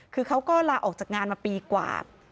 คือเขาก็ลาออกจากงานมาปีกว่า